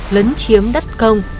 lấn chiếm đất công